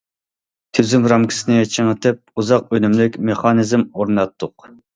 تۈزۈم رامكىسىنى چىڭىتىپ، ئۇزاق ئۈنۈملۈك مېخانىزم ئورناتتۇق.